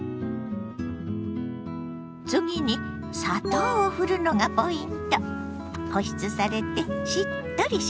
次に砂糖をふるのがポイント。